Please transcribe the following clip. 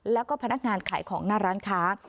แล้วก็พนักงานขายของหน้าร้านค้า